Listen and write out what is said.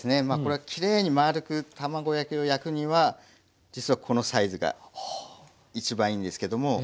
まあこれはきれいにまあるく卵焼きを焼くには実はこのサイズが一番いいんですけども。